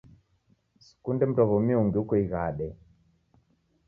Sikunde mndwaw'omi ungi uko ighade